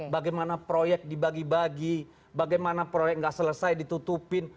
bagaimana proyek dibagi bagi bagaimana proyek nggak selesai ditutupin